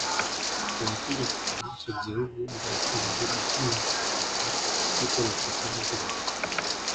ubutegetsi bw’icyo gihugu bwakomeje gushinja u Rwanda yuko rubifitemo uruhare